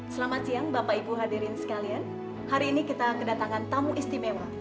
selamat siang bapak ibu hadirin sekalian hari ini kita kedatangan tamu istimewa